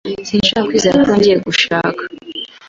Sinshobora kwizera ko yongeye gushaka.